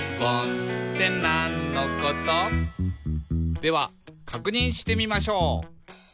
「ではかくにんしてみましょう」